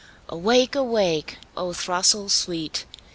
Awake! awake, O throstle sweet!